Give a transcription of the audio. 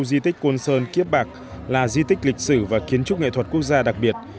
di tích côn sơn kiếp bạc là di tích lịch sử và kiến trúc nghệ thuật quốc gia đặc biệt